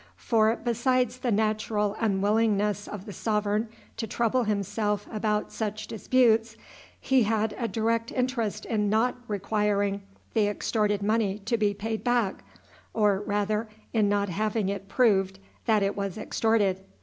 For, besides the natural unwillingness of the sovereign to trouble himself about such disputes, he had a direct interest in not requiring the extorted money to be paid back, or, rather, in not having it proved that it was extorted.